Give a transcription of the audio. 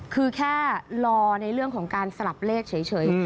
คือแค่รอในเรื่องของการสลับเลขเฉย